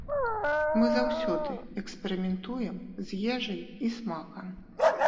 Мы заўсёды эксперыментуем з ежай і смакам.